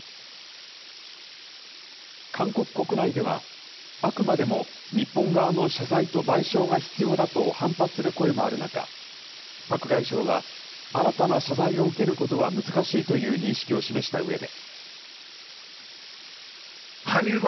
韓国国内では、あくまでも日本側の謝罪と賠償が必要だと反発する声もある中、パク外相は新たな謝罪を受けることは難しいという認識を示したうえで。